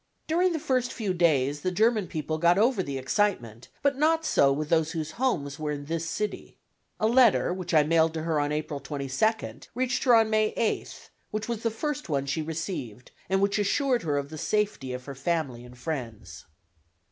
During the first few days the German people got over the excitement, but not so with those whose homes were in this city. A letter which I mailed to her on April 22d reached her on May 8th, which was the first one she received, and which assured her of the safety of her family and friends.